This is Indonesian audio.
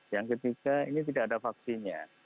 yang ketiga ini tidak ada vaksinnya